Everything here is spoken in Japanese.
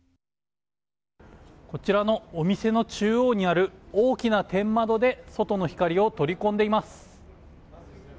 こちらのお店の中央にある大きな天窓で外の光を取り込んでいます。